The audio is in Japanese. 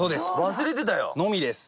忘れてたよ。のみです！